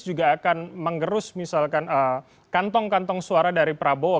juga akan mengerus misalkan kantong kantong suara dari prabowo